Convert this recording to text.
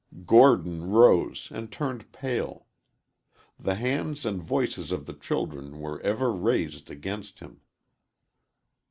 Gordon rose and turned pale. The hands and voices of the children were ever raised against him.